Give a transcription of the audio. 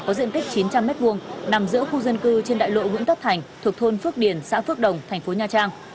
có diện tích chín trăm linh m hai nằm giữa khu dân cư trên đại lộ nguyễn tất thành thuộc thôn phước điền xã phước đồng thành phố nha trang